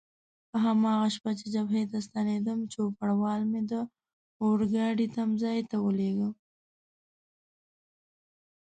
په هماغه شپه چې جبهې ته ستنېدم، چوپړوال مې د اورګاډي تمځای ته ولېږه.